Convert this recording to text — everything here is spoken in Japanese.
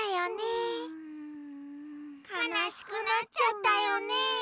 かなしくなっちゃったよね。